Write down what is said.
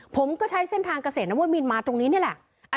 ผมก็ใช้เส้นทางเกษตรนวมินมาตรงนี้นี่แหละ